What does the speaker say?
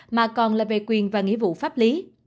mà còn là về quyền và nghĩa vụ pháp lý